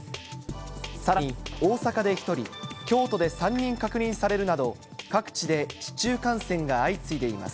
さらに、大阪で１人、京都で３人確認されるなど、各地で市中感染が相次いでいます。